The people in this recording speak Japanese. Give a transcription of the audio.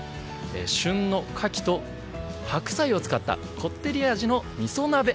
旬のカキと白菜を使ったこってり味のみそ鍋。